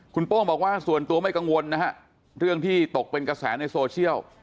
คุณโป้งบอกว่าส่วนตัวไม่กังวลนะฮะเรื่องที่ตกเป็นกระแสในโซเชียล